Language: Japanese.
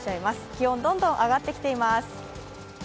気温どんどん上がってきています。